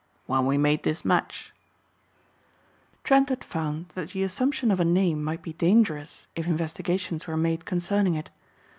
"When we made this match." Trent had found that the assumption of a name might be dangerous if investigations were made concerning it.